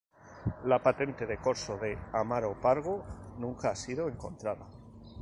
La patente de corso de Amaro Pargo nunca ha sido encontrada.